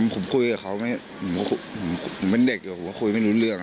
ผมคุยกับเขาผมเป็นเด็กอยู่ผมก็คุยไม่รู้เรื่อง